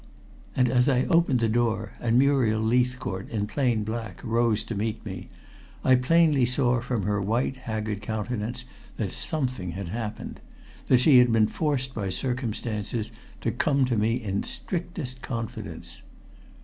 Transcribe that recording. And as I opened the door and Muriel Leithcourt in plain black rose to meet me, I plainly saw from her white, haggard countenance that something had happened that she had been forced by circumstances to come to me in strictest confidence.